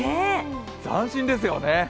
斬新ですよね。